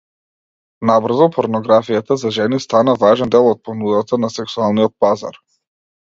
Набрзо порнографијата за жени стана важен дел од понудата на сексуалниот пазар.